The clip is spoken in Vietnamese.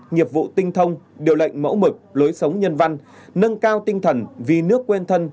nghiệp vụ tinh thông điều lệnh mẫu mực lối sống nhân văn nâng cao tinh thần vì nước quên thân